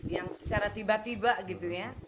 yang secara tiba tiba gitu ya